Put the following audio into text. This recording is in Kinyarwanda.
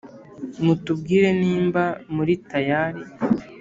mutubwire nimba muri tayali